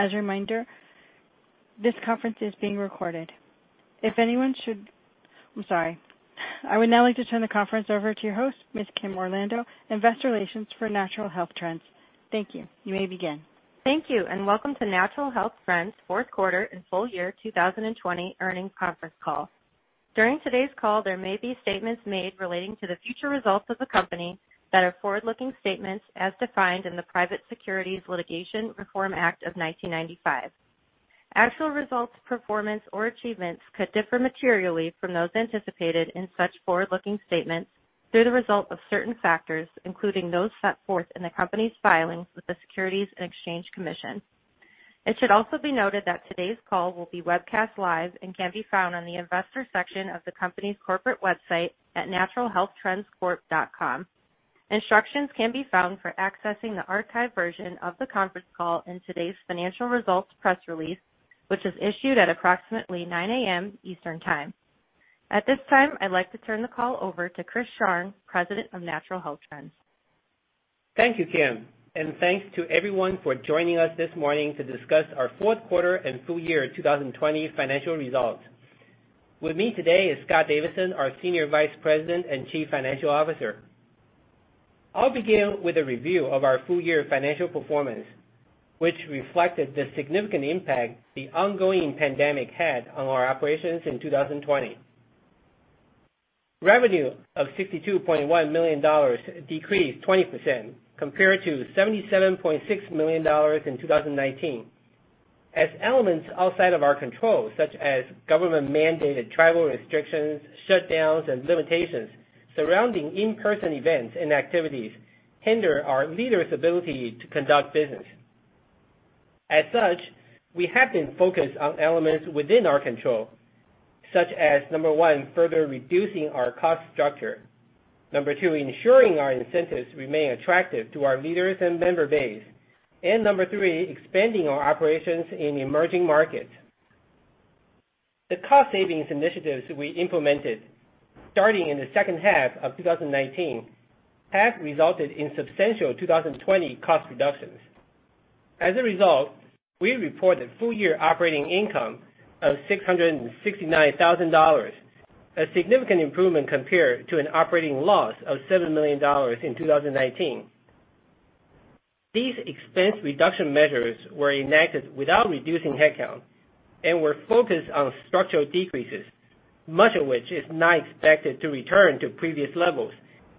As a reminder, this conference is being recorded. I would now like to turn the conference over to your host, Ms. Kimberly Orlando, Investor Relations for Natural Health Trends. Thank you. You may begin. Thank you, and welcome to Natural Health Trends' fourth quarter and full year 2020 earnings conference call. During today's call, there may be statements made relating to the future results of the company that are forward-looking statements as defined in the Private Securities Litigation Reform Act of 1995. Actual results, performance, or achievements could differ materially from those anticipated in such forward-looking statements due to the result of certain factors, including those set forth in the company's filings with the Securities and Exchange Commission. It should also be noted that today's call will be webcast live and can be found on the investor section of the company's corporate website at naturalhealthtrendscorp.com. Instructions can be found for accessing the archived version of the conference call in today's financial results press release, which was issued at approximately 9:00 A.M. Eastern Time. At this time, I'd like to turn the call over to Chris Sharng, President of Natural Health Trends. Thank you, Kim, and thanks to everyone for joining us this morning to discuss our fourth quarter and full year 2020 financial results. With me today is Scott Davidson, our Senior Vice President and Chief Financial Officer. I'll begin with a review of our full-year financial performance, which reflected the significant impact the ongoing pandemic had on our operations in 2020. Revenue of $62.1 million decreased 20%, compared to $77.6 million in 2019. As elements outside of our control, such as government-mandated travel restrictions, shutdowns, and limitations surrounding in-person events and activities hinder our leaders' ability to conduct business. As such, we have been focused on elements within our control, such as, number one, further reducing our cost structure. Number two, ensuring our incentives remain attractive to our leaders and member base. Number three, expanding our operations in emerging markets. The cost savings initiatives we implemented starting in the second half of 2019 have resulted in substantial 2020 cost reductions. As a result, we reported full-year operating income of $669,000, a significant improvement compared to an operating loss of $7 million in 2019. These expense reduction measures were enacted without reducing headcount and were focused on structural decreases, much of which is not expected to return to previous levels,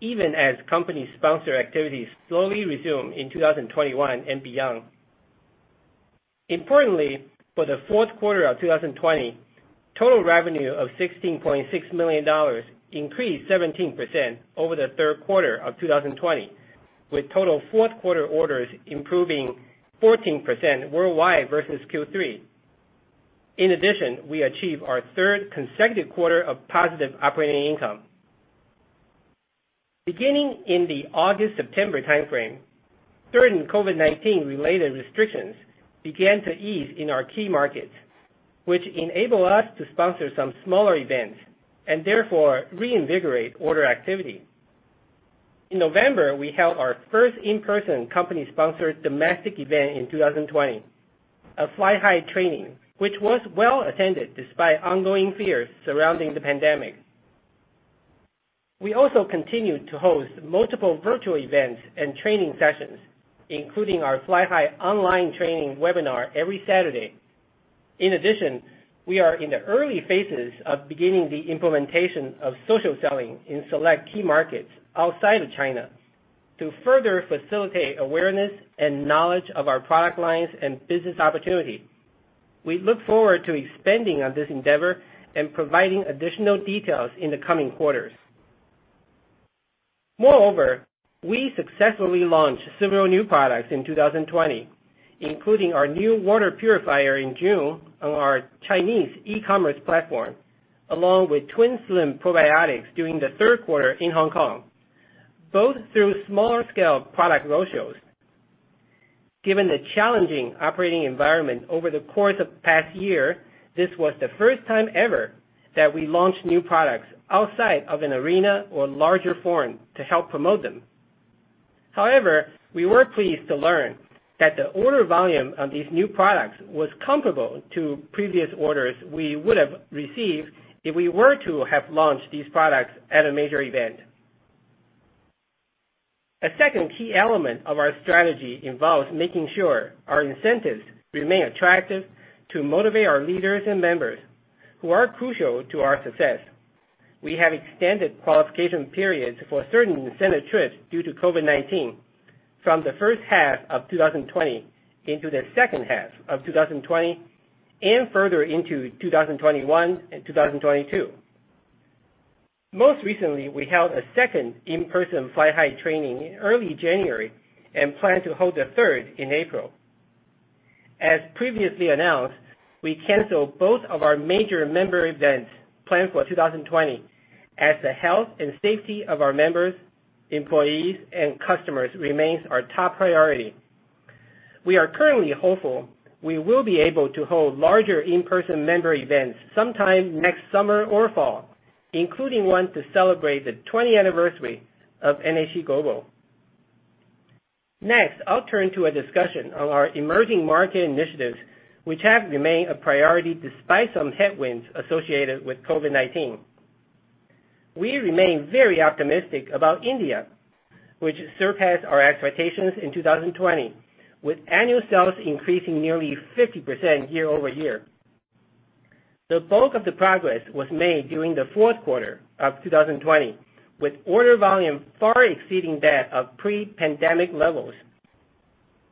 even as company sponsor activities slowly resume in 2021 and beyond. Importantly, for the fourth quarter of 2020, total revenue of $16.6 million increased 17% over the third quarter of 2020, with total fourth quarter orders improving 14% worldwide versus Q3. In addition, we achieved our third consecutive quarter of positive operating income. Beginning in the August-September timeframe, certain COVID-19 related restrictions began to ease in our key markets, which enabled us to sponsor some smaller events, and therefore reinvigorate order activity. In November, we held our first in-person company-sponsored domestic event in 2020, a Fly High training, which was well attended despite ongoing fears surrounding the pandemic. We also continued to host multiple virtual events and training sessions, including our Fly High online training webinar every Saturday. In addition, we are in the early phases of beginning the implementation of social selling in select key markets outside of China to further facilitate awareness and knowledge of our product lines and business opportunity. We look forward to expanding on this endeavor and providing additional details in the coming quarters. Moreover, we successfully launched several new products in 2020, including our new water purifier in June on our Chinese e-commerce platform, along with TwinSlim probiotics during the third quarter in Hong Kong, both through smaller scale product roadshows. If given the challenging operating environment over the course of the past year, this was the first time ever that we launched new products outside of an arena or larger forum to help promote them. However, we were pleased to learn that the order volume of these new products was comparable to previous orders we would have received if we were to have launched these products at a major event. A second key element of our strategy involves making sure our incentives remain attractive to motivate our leaders and members who are crucial to our success. We have extended qualification periods for certain incentive trips due to COVID-19 from the first half of 2020 into the second half of 2020 and further into 2021 and 2022. Most recently, we held a second in-person Fly High training in early January and plan to hold a third in April. As previously announced, we canceled both of our major member events planned for 2020 as the health and safety of our members, employees, and customers remains our top priority. We are currently hopeful we will be able to hold larger in-person member events sometime next summer or fall. Including one to celebrate the 20 anniversary of NHT Global. Next, I'll turn to a discussion on our emerging market initiatives, which have remained a priority despite some headwinds associated with COVID-19. We remain very optimistic about India, which surpassed our expectations in 2020 with annual sales increasing nearly 50% year-over-year. The bulk of the progress was made during the fourth quarter of 2020, with order volume far exceeding that of pre-pandemic levels.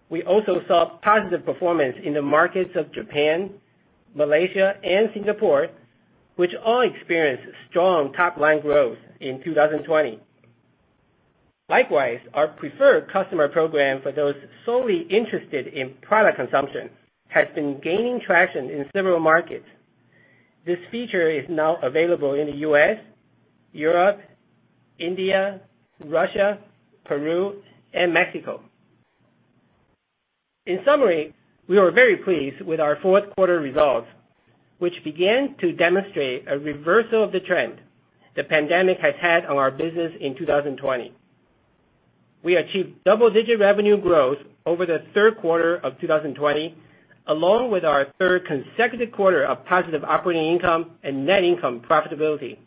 We also saw positive performance in the markets of Japan, Malaysia, and Singapore, which all experienced strong top-line growth in 2020. Likewise, our preferred customer program for those solely interested in product consumption has been gaining traction in several markets. This feature is now available in the U.S., Europe, India, Russia, Peru, and Mexico. In summary, we were very pleased with our fourth quarter results, which began to demonstrate a reversal of the trend the pandemic has had on our business in 2020. We achieved double-digit revenue growth over the third quarter of 2020, along with our third consecutive quarter of positive operating income and net income profitability.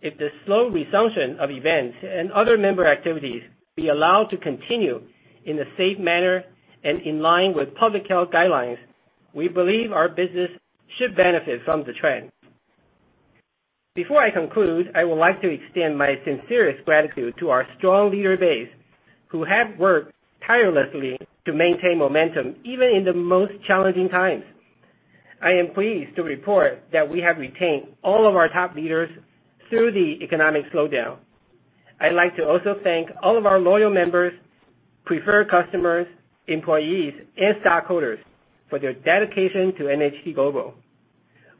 If the slow resumption of events and other member activities be allowed to continue in a safe manner and in line with public health guidelines, we believe our business should benefit from the trend. Before I conclude, I would like to extend my sincerest gratitude to our strong leader base, who have worked tirelessly to maintain momentum even in the most challenging times. I am pleased to report that we have retained all of our top leaders through the economic slowdown. I'd like to also thank all of our loyal members, preferred customers, employees, and stockholders for their dedication to NHT Global.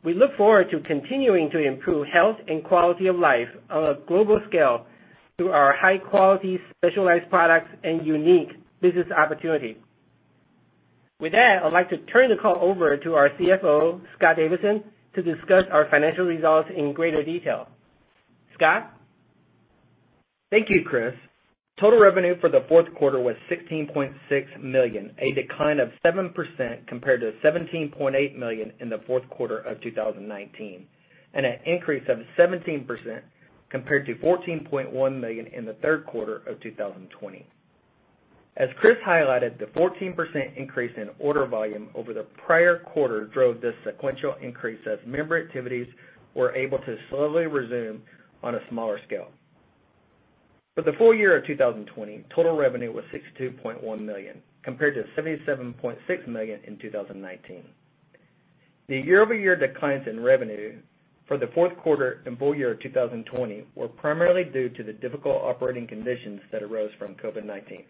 We look forward to continuing to improve health and quality of life on a global scale through our high-quality specialized products and unique business opportunities. With that, I'd like to turn the call over to our CFO, Scott Davidson, to discuss our financial results in greater detail. Scott? Thank you, Chris. Total revenue for the fourth quarter was $16.6 million, a decline of 7% compared to $17.8 million in the fourth quarter of 2019, and an increase of 17% compared to $14.1 million in the third quarter of 2020. As Chris highlighted, the 14% increase in order volume over the prior quarter drove this sequential increase as member activities were able to slowly resume on a smaller scale. For the full year of 2020, total revenue was $62.1 million, compared to $77.6 million in 2019. The year-over-year declines in revenue for the fourth quarter and full year of 2020 were primarily due to the difficult operating conditions that arose from COVID-19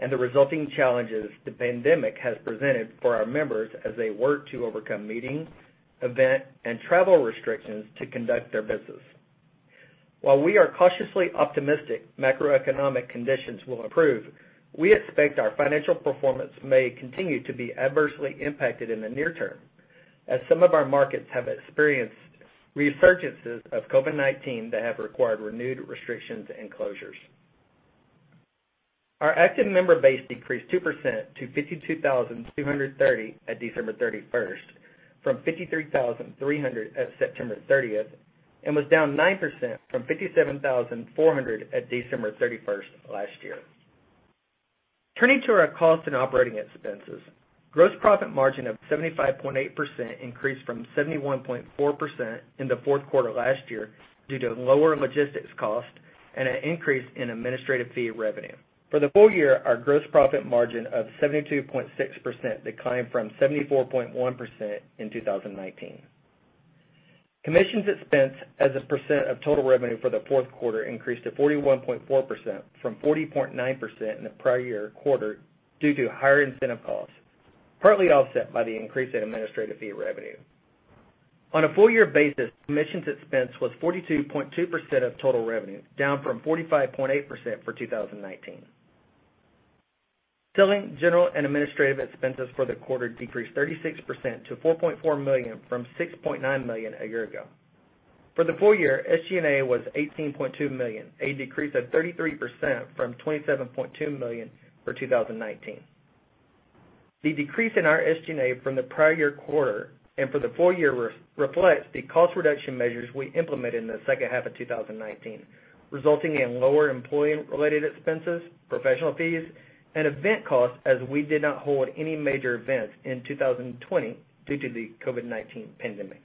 and the resulting challenges the pandemic has presented for our members as they work to overcome meetings, event, and travel restrictions to conduct their business. While we are cautiously optimistic macroeconomic conditions will improve, we expect our financial performance may continue to be adversely impacted in the near term as some of our markets have experienced resurgences of COVID-19 that have required renewed restrictions and closures. Our active member base decreased 2% to 52,230 at December 31st from 53,300 at September 30th, and was down 9% from 57,400 at December 31st of last year. Turning to our cost and operating expenses, gross profit margin of 75.8% increased from 71.4% in the fourth quarter last year due to lower logistics cost and an increase in administrative fee revenue. For the full year, our gross profit margin of 72.6% declined from 74.1% in 2019. Commissions expense as a percent of total revenue for the fourth quarter increased to 41.4% from 40.9% in the prior year quarter due to higher incentive costs, partly offset by the increase in administrative fee revenue. On a full-year basis, commissions expense was 42.2% of total revenue, down from 45.8% for 2019. Selling, general, and administrative expenses for the quarter decreased 36% to $4.4 million from $6.9 million a year ago. For the full year, SG&A was $18.2 million, a decrease of 33% from $27.2 million for 2019. The decrease in our SG&A from the prior year quarter and for the full year reflects the cost reduction measures we implemented in the second half of 2019, resulting in lower employee-related expenses, professional fees, and event costs as we did not hold any major events in 2020 due to the COVID-19 pandemic.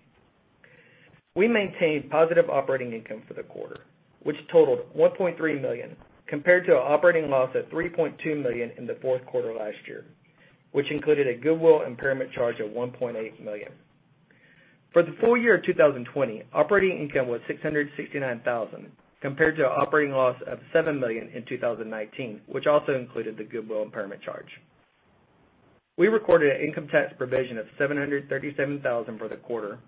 We maintained positive operating income for the quarter, which totaled $1.3 million, compared to an operating loss of $3.2 million in the fourth quarter last year, which included a goodwill impairment charge of $1.8 million. For the full year of 2020, operating income was $669,000, compared to an operating loss of $7 million in 2019, which also included the goodwill impairment charge. We recorded an income tax provision of $737,000 for the quarter,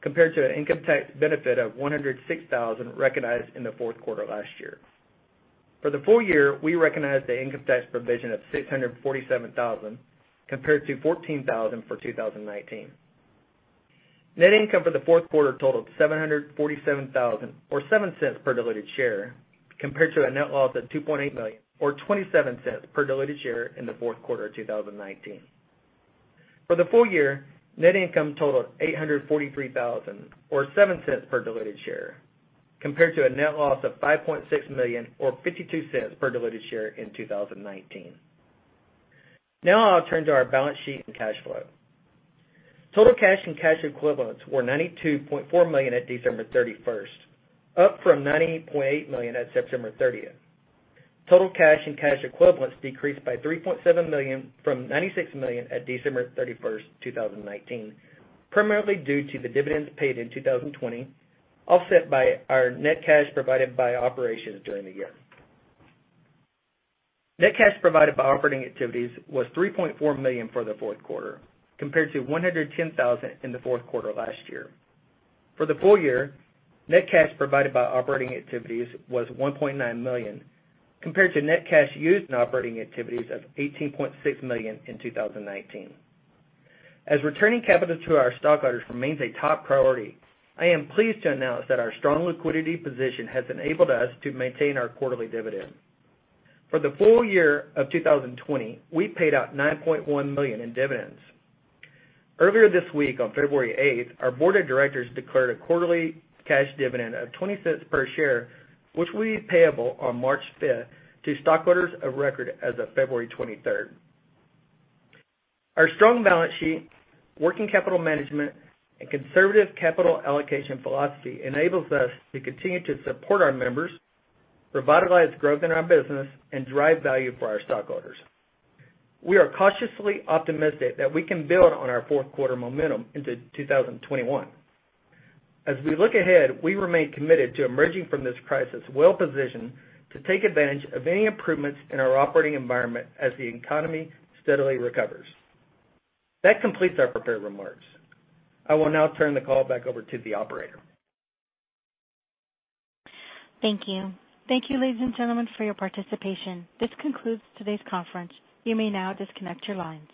compared to an income tax benefit of $106,000 recognized in the fourth quarter last year. For the full year, we recognized the income tax provision of $647,000 compared to $14,000 for 2019. Net income for the fourth quarter totaled $747,000 or $0.07 per diluted share, compared to a net loss of $2.8 million or $0.27 per diluted share in the fourth quarter of 2019. For the full year, net income totaled $843,000 or $0.07 per diluted share, compared to a net loss of $5.6 million or $0.52 per diluted share in 2019. Now I'll turn to our balance sheet and cash flow. Total cash and cash equivalents were $92.4 million at December 31st, up from $90.8 million at September 30th. Total cash and cash equivalents decreased by $3.7 million from $96 million at December 31st, 2019, primarily due to the dividends paid in 2020, offset by our net cash provided by operations during the year. Net cash provided by operating activities was $3.4 million for the fourth quarter, compared to $110,000 in the fourth quarter last year. For the full year, net cash provided by operating activities was $1.9 million, compared to net cash used in operating activities of $18.6 million in 2019. As returning capital to our stockholders remains a top priority, I am pleased to announce that our strong liquidity position has enabled us to maintain our quarterly dividend. For the full year of 2020, we paid out $9.1 million in dividends. Earlier this week, on February 8th, our board of directors declared a quarterly cash dividend of $0.20 per share, which will be payable on March 5th to stockholders of record as of February 23rd. Our strong balance sheet, working capital management, and conservative capital allocation philosophy enables us to continue to support our members, revitalize growth in our business, and drive value for our stockholders. We are cautiously optimistic that we can build on our fourth quarter momentum into 2021. As we look ahead, we remain committed to emerging from this crisis well-positioned to take advantage of any improvements in our operating environment as the economy steadily recovers. That completes our prepared remarks. I will now turn the call back over to the operator. Thank you. Thank you, ladies and gentlemen, for your participation. This concludes today's conference. You may now disconnect your lines.